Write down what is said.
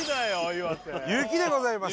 岩手雪でございます